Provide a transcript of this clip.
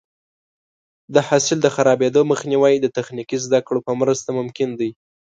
د حاصل د خرابېدو مخنیوی د تخنیکي زده کړو په مرسته ممکن دی.